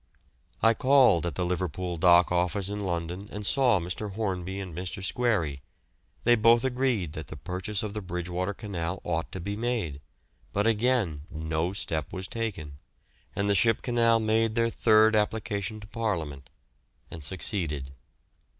I called at the Liverpool Dock office in London and saw Mr. Hornby and Mr. Squarey; they both agreed that the purchase of the Bridgewater Canal ought to be made, but again no step was taken, and the Ship Canal made their third application to Parliament, and succeeded.